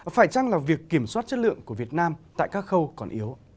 phải chăng là việc kiểm soát chất lượng của việt nam tại các khâu còn yếu